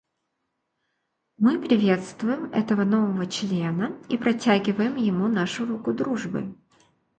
Мы приветствуем этого нового члена и протягиваем ему нашу руку дружбы.